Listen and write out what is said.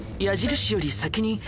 矢印より先に。